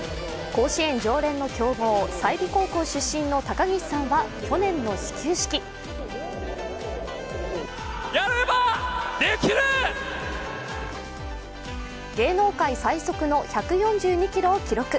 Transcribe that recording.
甲子園常連の強豪・済美高校出身の高岸さんは去年の始球式芸能界最速の１４２キロを記録。